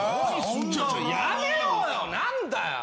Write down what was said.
やめろよ、何だよ。